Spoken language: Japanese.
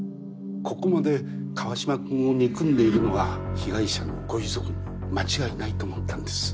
ここまで川島君を憎んでいるのは被害者のご遺族に間違いないと思ったんです。